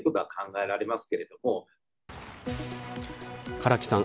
唐木さん